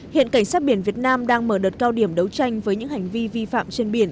hiện cảnh sát biển việt nam đang mở đợt cao điểm đấu tranh với những hành vi vi phạm trên biển